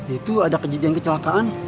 itu ada kejadian kecelakaan